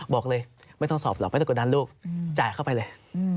บอกเลยไม่ต้องสอบหรอกไม่ต้องกดดันลูกจ่ายเข้าไปเลย